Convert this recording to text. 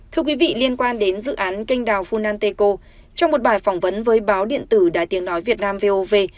thưa quý vị liên quan đến dự án kênh đào funanteco trong một bài phỏng vấn với báo điện tử đài tiếng nói việt nam vov